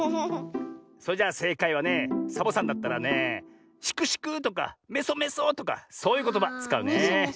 それじゃあせいかいはねサボさんだったらねシクシクとかメソメソとかそういうことばつかうね。